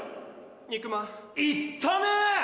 肉まんいったね！